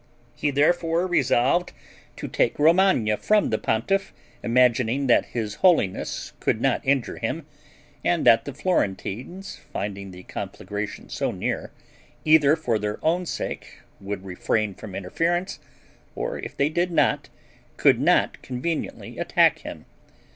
He therefore resolved to take Romagna from the pontiff, imagining that his holiness could not injure him, and that the Florentines, finding the conflagration so near, either for their own sake would refrain from interference, or if they did not, could not conveniently attack him.